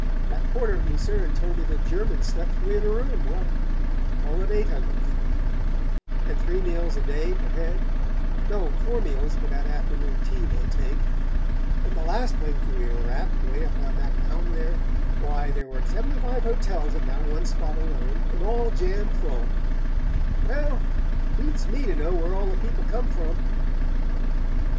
That porter at Lucerne told me the Germans slept three in a room well, call it eight hundred people; and three meals a day per head; no, four meals, with that afternoon tea they take; and the last place we were at 'way up on that mountain there why, there were seventy five hotels in that one spot alone, and all jam full well, it beats me to know where all the people come from..."